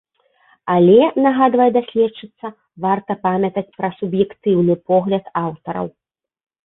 Але, нагадвае даследчыца, варта памятаць пра суб'ектыўны погляд аўтараў.